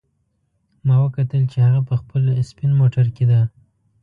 ما وکتل چې هغه په خپل سپین موټر کې ده